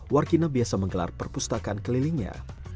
warung baca biasa menggelar perpustakaan kelilingnya